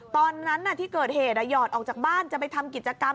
ตอนนั้นที่เกิดเหตุหยอดออกจากบ้านจะไปทำกิจกรรม